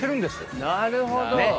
なるほど！